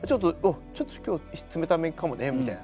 「ちょっと今日冷ためかもね」みたいな。